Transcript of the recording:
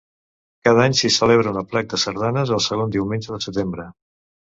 Cada any s'hi celebra un aplec de sardanes el segon diumenge de setembre.